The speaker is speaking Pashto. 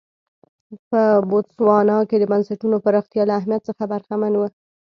په بوتسوانا کې د بنسټونو پراختیا له اهمیت څخه برخمن و.